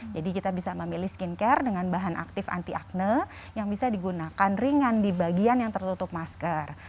jadi kita bisa memilih skin care dengan bahan aktif anti akne yang bisa digunakan ringan di bagian yang tertutup masker